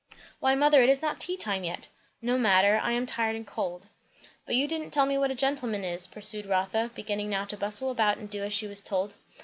"Why mother, it is not tea time yet." "No matter; I am tired, and cold." "But you didn't tell me what a gentleman is?" pursued Rotha, beginning now to bustle about and do as she was told.